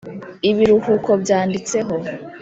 ibiruhuko byanditseho *